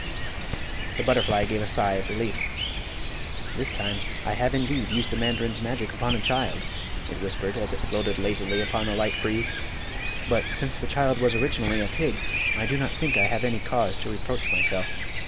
The butterfly gave a sigh of relief. "This time I have indeed used the mandarin's magic upon a child," it whispered, as it floated lazily upon the light breeze; "but since the child was originally a pig I do not think I have any cause to reproach myself.